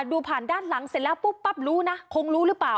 ดูผ่านด้านหลังเสร็จแล้วปุ๊บปั๊บรู้นะคงรู้หรือเปล่า